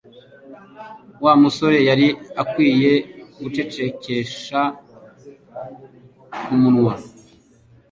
wa musore yari akwiye gucecekesha umunwa.